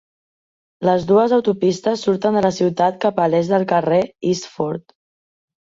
Les dues autopistes surten de la ciutat cap a l'est al carrer East Fort.